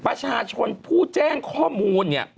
ประชาชนผู้แจ้งข้อมูลเนี่ย